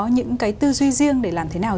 những cái tư duy riêng để làm thế nào